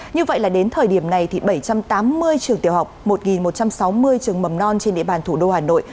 như vậy là đến thời điểm này thì bảy trăm tám mươi trường tiểu học một một trăm sáu mươi trường mầm non trên địa bàn thủ đô hà nội